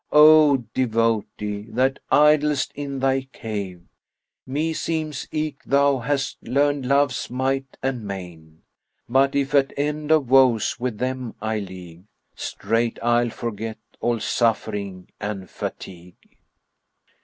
O devotee, that idlest in thy cave, * Meseems eke thou hast learned Love's might and main; But if, at end of woes, with them I league, * Straight I'll forget all suffering and fatigue."